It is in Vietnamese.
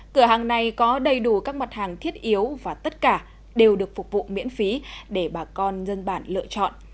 cửa hàng này có đầy đủ các mặt hàng thiết yếu và tất cả đều được phục vụ miễn phí để bà con dân bản lựa chọn